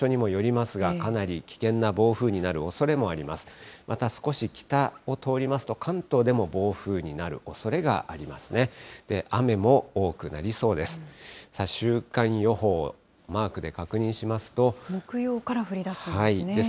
また少し北を通りますと、関東でも暴風になるおそれがあります。